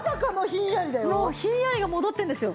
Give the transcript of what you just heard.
もうひんやりが戻ってるんですよ。